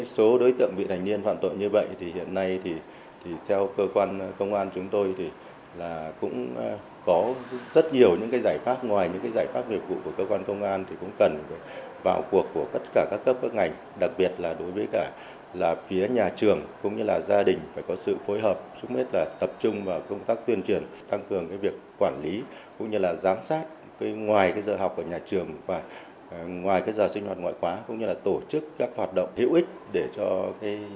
số đối tượng vị thành niên hoạn tội như vậy thì hiện nay thì theo cơ quan công an chúng tôi thì là cũng có rất nhiều những cái giải pháp ngoài những cái giải pháp việc vụ của cơ quan công an thì cũng cần vào cuộc của tất cả các cấp các ngành đặc biệt là đối với cả là phía nhà trường cũng như là gia đình phải có sự phối hợp chúng hết là tập trung vào công tác tuyên truyền tăng cường cái việc quản lý cũng như là giám sát ngoài cái giờ học ở nhà trường và ngoài cái giờ sinh hoạt ngoại khóa cũng như là tổ chức các hoạt động hữu ích để cho các cơ quan công an có thể tăng cường